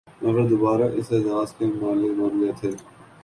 مگر دوبارہ اس اعزاز کے مالک بن گئے تھے